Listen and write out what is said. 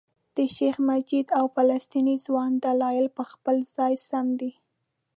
د شیخ مجید او فلسطیني ځوان دلایل په خپل ځای سم دي.